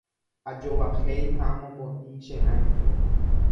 Ajovahéi ha amopotĩ che rãi.